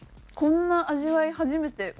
こんな味わい初めて。